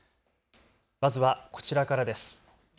まずはこちらからです。